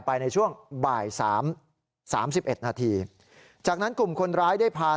ไปในช่วงบ่าย๓๓๑นาทีจากนั้นกลุ่มคนร้ายได้พา